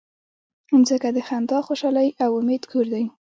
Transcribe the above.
مځکه د خندا، خوشحالۍ او امید کور دی.